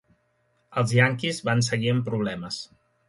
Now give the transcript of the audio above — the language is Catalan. Els Yankees van seguir amb problemes.